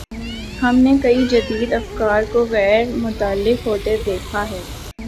ہم نے کئی جدید افکار کو غیر متعلق ہوتے دیکھا ہے۔